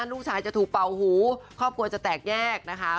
ลูกชายจะถูกเป่าหูครอบครัวจะแตกแยกนะคะ